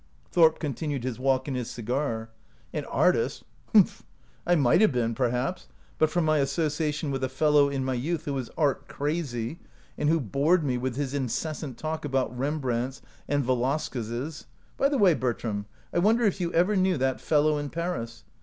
Thorp continued his walk and his cigar. "An artist — humph! I might have been, perhaps, but for my association with a fellow in my youth who was art crazy, and who bored me with his incessant talk about Rembrandts and Velasquezes. By the way, Bertram, I wonder if you ever knew that fellow in Paris.